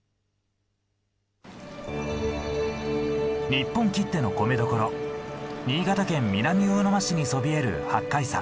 日本きっての米どころ新潟県南魚沼市にそびえる八海山。